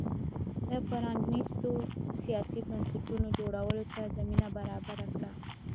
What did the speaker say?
د پرانیستو سیاسي بنسټونو جوړولو ته زمینه برابره کړه.